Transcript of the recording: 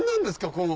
この。